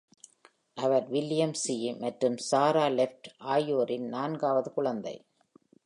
அவர் William C மற்றும் Sarah Taft ஆகியோரின் நான்காவது குழந்தை.